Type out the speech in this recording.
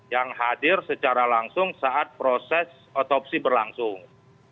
yang hadir secara langsung saat proses otopsi berlangsung